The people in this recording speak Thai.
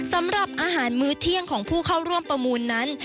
สำหรับอาหารมื้อเที่ยงของผู้เข้าร่วมประมูลนั้น